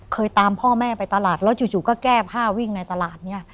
ตามพ่อแม่ไปตลาดแล้วจู่ก็แก้ผ้าวิ่งในตลาดเนี่ย